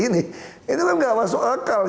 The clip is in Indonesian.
ini kan tidak masuk akal